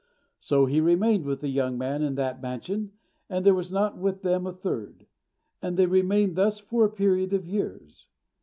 So he remained with the young man in that mansion, and there was not with them a third; and they remained thus for a period of years.